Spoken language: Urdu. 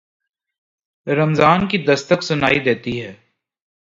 رمضان کی دستک سنائی دیتی ہے۔